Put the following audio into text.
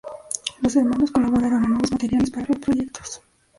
Los hermanos colaboraron en nuevos materiales para los proyectos.